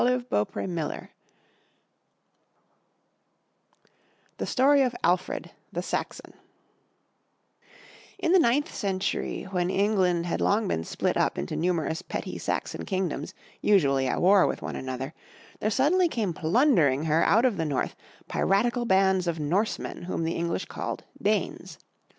79 MY BOOK HOUSE THE STORY OF ALFRED, THE SAXON N THE ninth century when England had long been split up into numerous petty Saxon kingdoms usually at war with one another, there suddenly came plun dering her out of the North, piratical bands of Norse men whom the English called Danes.